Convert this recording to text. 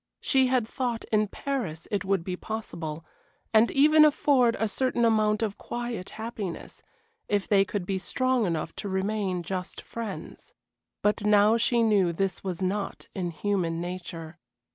She had thought in Paris it would be possible, and even afford a certain amount of quiet happiness, if they could be strong enough to remain just friends. But now she knew this was not in human nature.